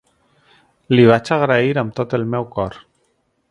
Li vaig agrair amb tot el meu cor.